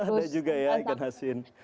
ada juga ya ikan asin